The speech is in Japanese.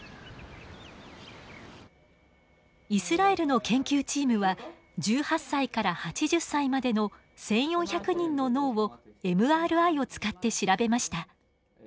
イスラエルの研究チームは１８歳から８０歳までの１，４００人の脳をＭＲＩを使って調べました。